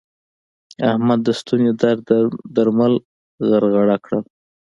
احمد د ستوني درد درمل غرغړه کړل.